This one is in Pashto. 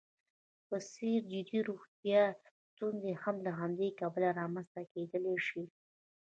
په څېر جدي روغیتايي ستونزې هم له همدې کبله رامنځته کېدلی شي.